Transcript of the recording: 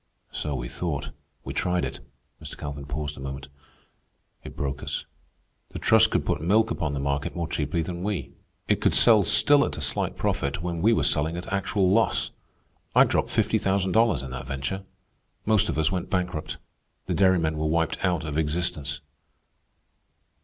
"So we thought. We tried it." Mr. Calvin paused a moment. "It broke us. The Trust could put milk upon the market more cheaply than we. It could sell still at a slight profit when we were selling at actual loss. I dropped fifty thousand dollars in that venture. Most of us went bankrupt. The dairymen were wiped out of existence."